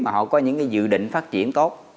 mà họ có những dự định phát triển tốt